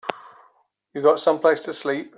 You got someplace to sleep?